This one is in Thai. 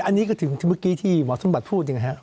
อันนี้ก็ถึงเมื่อกี้ที่หมอสมบัติพูดนี่นะครับ